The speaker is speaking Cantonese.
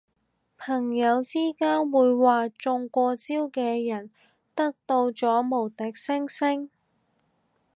朋友之間會話中過招嘅人得到咗無敵星星